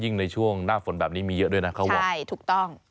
ในช่วงหน้าฝนแบบนี้มีเยอะด้วยนะเขาบอกใช่ถูกต้อง